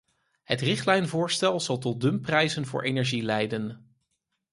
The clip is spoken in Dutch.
Het richtlijnvoorstel zal tot dumpprijzen voor energie leiden.